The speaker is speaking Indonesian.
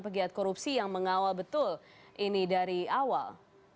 pegiat korupsi yang mengawal betul ini dari awal